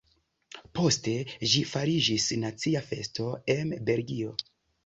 Poste ĝi fariĝis nacia festo em Belgio.